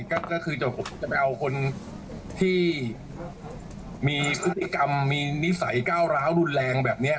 ก็คือจะไปเอาคนที่มีพฤติกรรมมีนิสัยก้าวร้าวรุนแรงแบบนี้